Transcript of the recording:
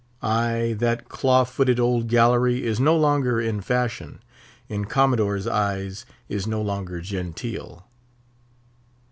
Ay, that claw footed old gallery is no longer in fashion; in Commodore's eyes, is no longer genteel.